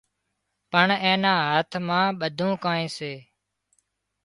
پڻ اين نا هاٿ مان ٻڌوئيني ڪانئين سي